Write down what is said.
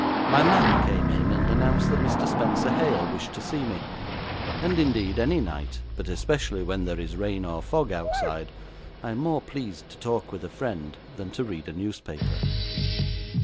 My man came in, and announced that Mr. Spenser Hale wished to see me, and, indeed, any night, but especially when there is rain or fog outside, I am more pleased to talk with a friend than to read a newspaper.